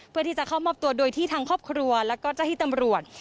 เพื่อที่จะเข้ามอบตัวโดยที่ทางครอบครัวแล้วก็เจ้าที่ตำรวจ